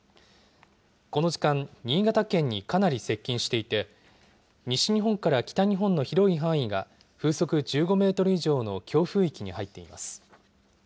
この時間、新潟県にかなり接近していて西日本から北日本の広い範囲が風速１５メートル以上の強風域に入っています。